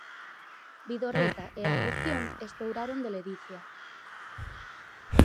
Vidorreta e a afección estouraron de ledicia.